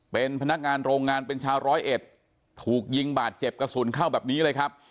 เป็นพนักงานโรงงานเป็นชาวร้อยเอ็ดถูกยิงบาดเจ็บกระสุนเข้าแบบนี้เลยครับ